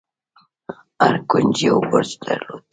هر کونج يو برج درلود.